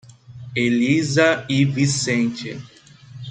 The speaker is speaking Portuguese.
Elisa e Vicente